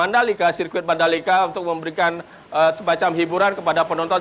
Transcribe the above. di sirkuit mandalika untuk memberikan sebuah hiburan kepada penonton